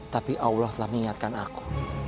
tapi allah telah mengingatkan aku